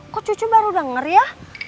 kok cucu baru denger ya